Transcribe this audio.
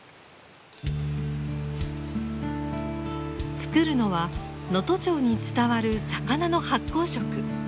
作るのは能登町に伝わる魚の発酵食。